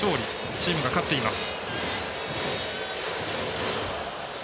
チームが勝っています。